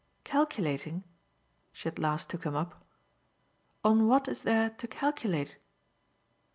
"'Calculating'?" she at last took him up. "On what is there to calculate?"